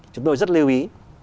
chúng tôi rất lưu ý